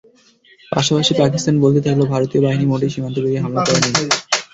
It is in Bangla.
পাশাপাশি পাকিস্তান বলতেই থাকল, ভারতীয় বাহিনী মোটেই সীমান্ত পেরিয়ে হামলা করেনি।